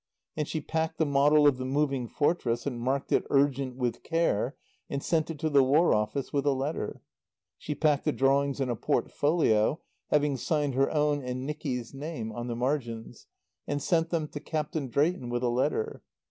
And she packed the model of the Moving Fortress and marked it "Urgent with Care," and sent it to the War Office with a letter. She packed the drawings in a portfolio having signed her own and Nicky's name on the margins and sent them to Captain Drayton with a letter.